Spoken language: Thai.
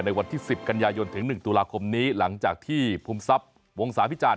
วันที่๑๐กันยายนถึง๑ตุลาคมนี้หลังจากที่ภูมิทรัพย์วงศาพิจารณ